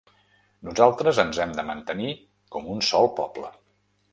Nosaltres ens hem de mantenir com un sol poble.